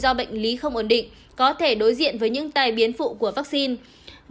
do bệnh lý không ổn định có thể đối diện với những tai biến phụ của vaccine